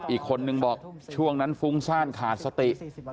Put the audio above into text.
อีกคนนึงบอกช่วงนั้นฟุ้งซ่านขาดสติ